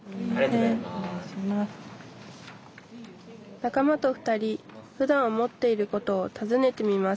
仲間と２人ふだん思っていることをたずねてみます